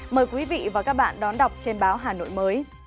mời quý vị và các bạn đón đọc trên báo hà nội mới